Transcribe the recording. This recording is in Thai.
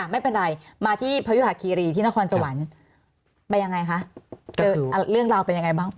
ไม่เป็นไรมาที่พยุหาคีรีที่นครสวรรค์ไปยังไงคะเจอเรื่องราวเป็นยังไงบ้าง